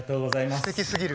すてきすぎる。